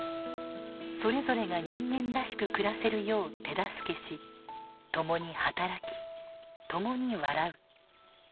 それぞれが人間らしく暮らせるよう手助けし共に働き共に笑う。